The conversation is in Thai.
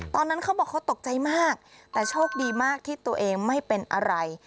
ตอนนั้นเขาบอกเขาตกใจมากแต่โชคดีมากที่ตัวเองไม่เป็นอะไร